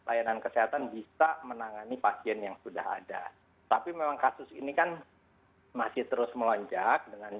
dan layanan kesehatan bisa mengangani pasien yang sudah ada tapi memang kasus ini kan masih terus melonjak